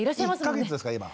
１か月ですから今。